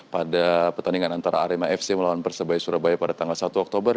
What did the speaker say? pada pertandingan antara arema fc melawan persebaya surabaya pada tanggal satu oktober